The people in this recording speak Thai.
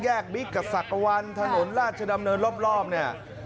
บิ๊กกับศักวัลถนนราชดำเนินรอบเนี่ย